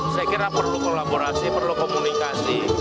saya kira perlu kolaborasi perlu komunikasi